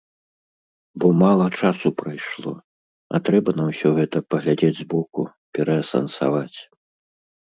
Бо мала часу прайшло, а трэба на ўсё гэта паглядзець з боку, пераасэнсаваць.